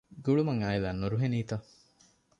ގުޅުމަށް އާއިލާ ނުރުހެނީތަ؟